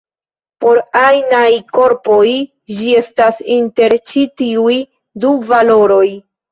Por ajnaj korpoj ĝi estas inter ĉi tiuj du valoroj.